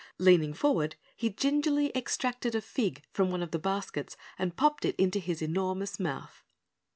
Leaning forward, he gingerly extracted a fig from one of the baskets and popped it into his enormous mouth.